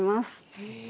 へえ。